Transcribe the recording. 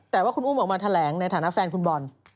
แต่ว่าคุณอุ้มออกมาแถลงในฐานะแฟนคุณบอล